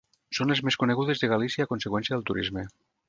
Són les més conegudes de Galícia a conseqüència del turisme.